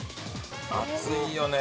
暑いよね。